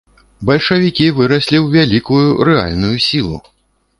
Бальшавікі выраслі ў вялікую рэальную сілу.